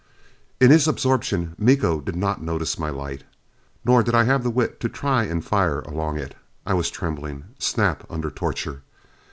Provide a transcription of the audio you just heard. In his absorption Miko did not notice my light. Nor did I have the wit to try and fire along it. I was trembling. Snap under torture!